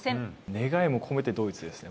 願いも込めて、ドイツですね。